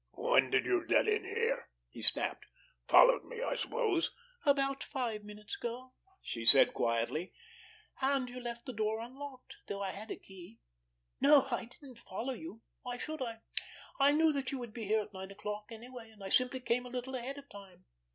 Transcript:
"When did you get in here?" he snapped. "Followed me, I suppose!" "About five minutes ago," she said quietly. "And you left the door unlocked—though I had a key. No, I didn't follow you! Why should I? I knew that you would be here at nine o'clock anyway, and I simply came a little ahead of time.